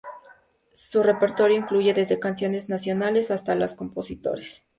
Su repertorio incluye desde canciones nacionales hasta de compositores extranjeros.